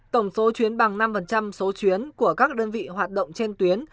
tổng số chuyến bằng năm số chuyến của các đơn vị hoạt động trên tuyến